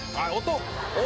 音！